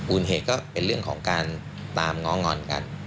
เหตุก็เป็นเรื่องของการตามง้องอนกัน